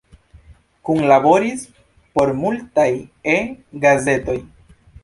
Kunlaboris por multaj E-gazetoj.